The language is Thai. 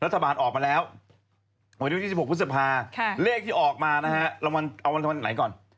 รัฐบาลออกมาแล้ววันนี้วัน๑๖พฤษภาเลขที่ออกมานะฮะรางวัลเอารางวัลไหนก่อน